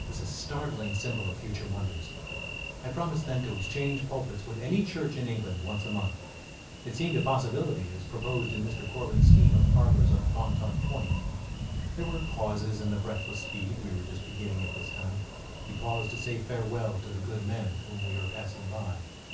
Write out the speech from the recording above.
It was a startling symbol of future wonders. I promised then to exchange pulpits with any church in England once a month. It seemed a possibility, as proposed in Mr. Corbin's scheme of harbours at Montauk Point. There were pauses in the breathless speed we were just beginning at this time. We paused to say farewell to the good men whom we were passing by.